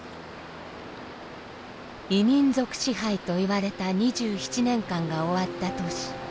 異民族支配といわれた２７年間が終わった年。